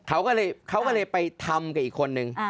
เขาก็เลยไปทำกับอีกคนนึง